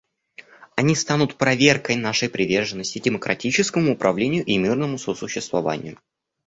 Они станут проверкой нашей приверженности демократическому управлению и мирному сосуществованию.